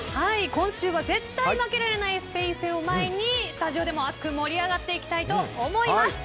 今週は絶対負けられないスペイン戦を前にスタジオでも熱く盛り上がっていきたいと思います。